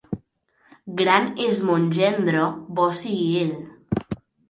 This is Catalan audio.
Gran és mon gendre, bo sigui ell.